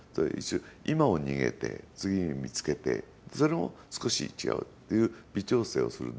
今を逃げて次に見つけて、それも少し違うっていう微調整をする。